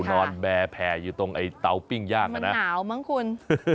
นอนแบร์แผ่อยู่ตรงไอ้เตาปิ้งย่างอ่ะนะขาวมั้งคุณ